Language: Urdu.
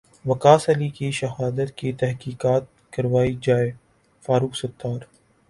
وقاص علی کی شہادت کی تحقیقات کروائی جائے فاروق ستار